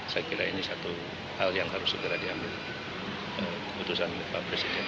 saya kira ini satu hal yang harus segera diambil keputusan oleh pak presiden